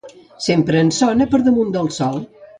Sempre ens sona per damunt del sol.